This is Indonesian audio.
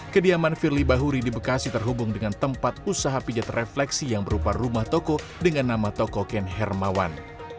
kediaman firly bahuri di bekasi terhubung dengan tempat usaha pijat refleksi yang berupa rumah toko dengan nama toko ken hermawan